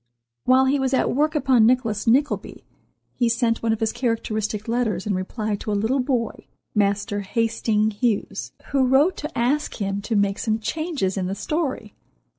While he was at work upon "Nicholas Nickleby," he sent one of his characteristic letters in reply to a little boy—Master Hasting Hughes—who wrote to ask him to make some changes in the story.